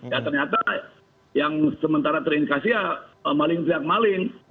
ya ternyata yang sementara terindikasi ya maling siap maling